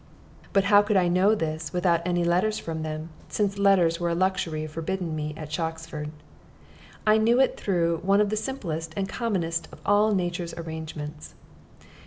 But how could I know this, without any letters from them, since letters were a luxury forbidden me at Shoxford? I knew it through one of the simplest and commonest of all nature's arrangements.